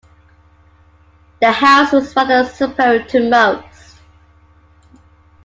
The house was rather superior to most.